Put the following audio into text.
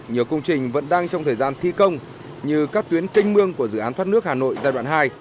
nhiều công trình vẫn đang trong thời gian thi công như các tuyến canh mương của dự án thoát nước hà nội giai đoạn hai